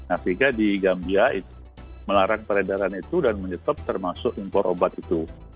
afrika di gambia itu melarang peredaran itu dan menyetep termasuk impor obat itu